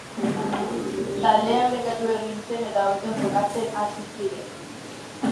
Taldea orekatu egin zen eta hobeto jokatzen hasi zen.